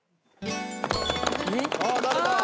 さあ誰だ？